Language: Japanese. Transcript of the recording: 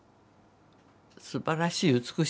すばらしい美しいの。